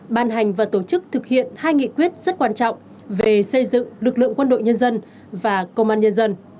ban hành và tổ chức thực hiện hai nghị quyết rất quan trọng về xây dựng lực lượng quân đội nhân dân và công an nhân dân